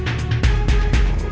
uang r patrimu